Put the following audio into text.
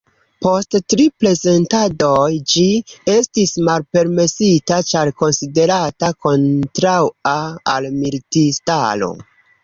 Post tri prezentadoj ĝi estis malpermesita ĉar konsiderata kontraŭa al militistaro.